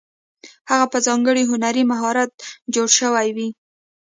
هغه په ځانګړي هنري مهارت جوړې شوې وې.